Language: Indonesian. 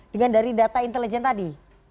dengan dari data intelijen tadi